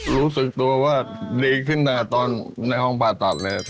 รู้สึกตัวว่าดีขึ้นนะตอนในห้องผ่าตัดเลย